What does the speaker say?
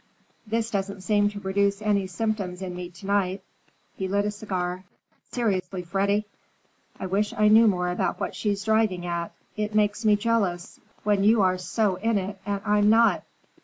"This doesn't seem to produce any symptoms in me to night." He lit a cigar. "Seriously, Freddy, I wish I knew more about what she's driving at. It makes me jealous, when you are so in it and I'm not."